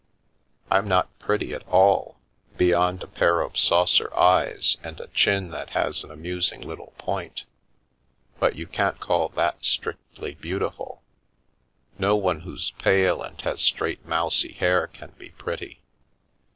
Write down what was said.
" I'm not pretty at all, beyond a pair of saucer eyes and a chin that has an amusing little point, but you can't call that strictly beautiful. No one who's pale and has straight, mousey hair can be pretty.